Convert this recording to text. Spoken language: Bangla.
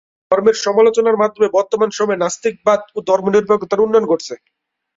ধর্মের সমালোচনার মাধ্যমে বর্তমান সময়ে নাস্তিক্যবাদ এবং ধর্মনিরপেক্ষতা উন্নয়ন ঘটেছে।